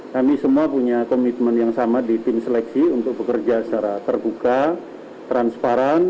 kami semua punya komitmen yang sama di tim seleksi untuk bekerja secara terbuka transparan